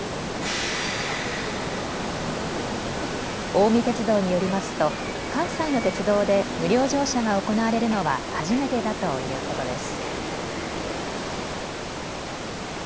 近江鉄道によりますと関西の鉄道で無料乗車が行われるのは初めてだということです。